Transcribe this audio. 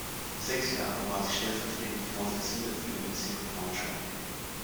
Sechs Jahre war sie stellvertretende Vorsitzende für den Bezirk Braunschweig.